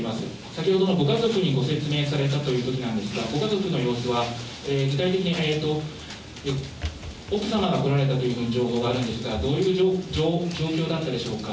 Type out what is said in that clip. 先ほどのご家族にご説明をされたということなんですが、ご家族の様子は、具体的に奥様が来られたという情報があるんですが、どういう状況だったでしょうか。